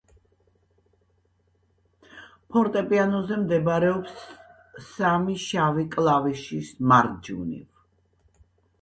ფორტეპიანოზე მდებარეობს სამი შავი კლავიშის მარჯვნივ.